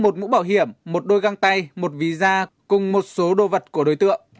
một mũ bảo hiểm một đôi găng tay một ví da cùng một số đồ vật của đối tượng